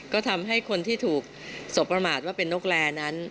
ก็ทำให้คนที่ถูกสบประมาทว่าเป็นนกแรนั้น